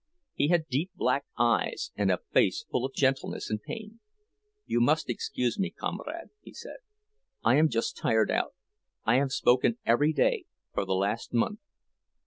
He had deep, black eyes, and a face full of gentleness and pain. "You must excuse me, comrade," he said. "I am just tired out—I have spoken every day for the last month.